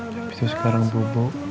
tapi sekarang bubuk